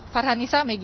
farhan nisa maggie